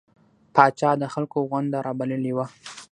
پاچا د خلکو غونده رابللې وه.